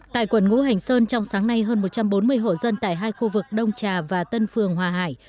tại quận ngũ hành sơn trong sáng nay hơn một trăm bốn mươi hộ dân tại hai khu vực đông trà và tân phường hòa hải